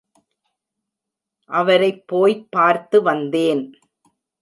அவரைப் போய்ப் பார்த்து வந்தேன்.